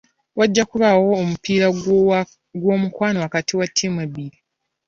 Wajja kubaawo omupiira ogw'omukwano wakati wa ttiimu ebbiri.